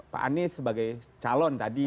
pak anies sebagai calon tadi